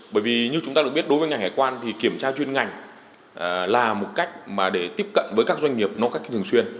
bởi vì như chúng ta được biết đối với ngành hải quan thì kiểm tra chuyên ngành là một cách để tiếp cận với các doanh nghiệp nó cách thường xuyên